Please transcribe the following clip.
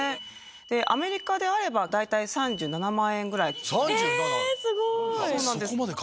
アメリカであれば、大体３７万円ぐらい。